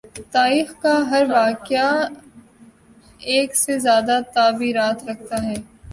تایخ کا ہر واقعہ ایک سے زیادہ تعبیرات رکھتا ہے۔